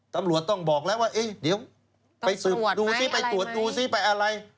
ตำรวจต้องบอกแล้วว่าเอ๊ะเดี๋ยวไปสืบดูซิไปตรวจดูซิไปอะไร